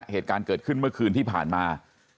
เหตุการณ์เกิดขึ้นเมื่อคืนที่ผ่านมา